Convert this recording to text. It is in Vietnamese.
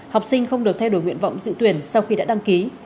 học sinh không được thay đổi nguyện vọng dự tuyển sau khi đã đăng ký